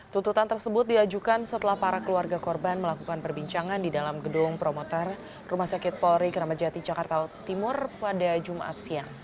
tuntutan tersebut diajukan setelah para keluarga korban melakukan perbincangan di dalam gedung promoter rumah sakit polri kramajati jakarta timur pada jumat siang